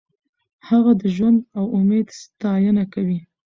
هغه د ژوند او امید ستاینه کوي.